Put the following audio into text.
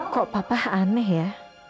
kok papa aneh ya